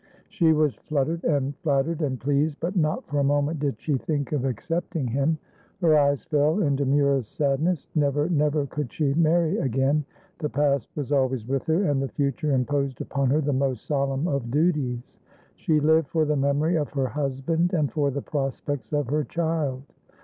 She was fluttered, and flattered, and pleased, but not for a moment did she think of accepting him. Her eyes fell, in demurest sadness. Never, never could she marry again; the past was always with her, and the future imposed upon her the most solemn of duties. She lived for the memory of her husband and for the prospects of her child.